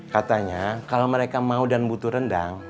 katanya kalau mereka mau dan butuh rendang